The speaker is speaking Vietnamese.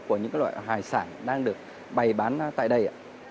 của những loại hải sản đang được bày bán tại đây